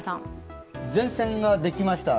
前線ができました。